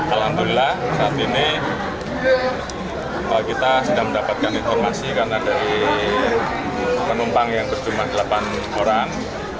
alhamdulillah saat ini kita sudah mendapatkan informasi karena dari penumpang yang berjumlah delapan orang